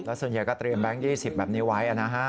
ส่วนใหญ่ก็เตรียมแบงค์๒๐แบบนี้ไว้นะฮะ